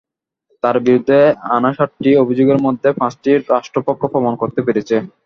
তাঁর বিরুদ্ধে আনা সাতটি অভিযোগের মধ্যে পাঁচটি রাষ্ট্রপক্ষ প্রমাণ করতে পেরেছে।